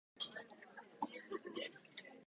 髪を乾かしました。